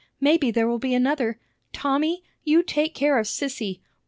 Maybe there will be another. Tommy? you take care of Sissy!